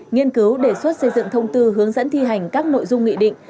nghiên cứu đề xuất xây dựng thông tư hướng dẫn thi hành các nội dung nghị định